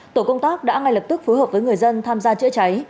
tổ công tác đã ngay lập tức phối hợp với người dân tham gia chữa cháy